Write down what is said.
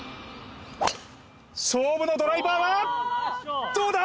勝負のドライバーはどうだ！？